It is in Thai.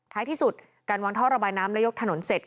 ที่สุดการวางท่อระบายน้ำและยกถนนเสร็จ